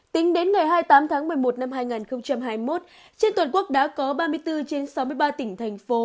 tính đến ngày hai mươi tám tháng một mươi một năm hai nghìn hai mươi một trên toàn quốc đã có ba mươi bốn trên sáu mươi ba tỉnh thành phố